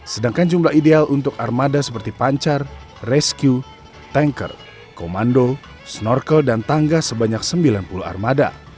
sedangkan jumlah ideal untuk armada seperti pancar rescue tanker komando snorkel dan tangga sebanyak sembilan puluh armada